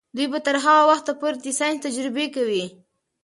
دوی به تر هغه وخته پورې د ساینس تجربې کوي.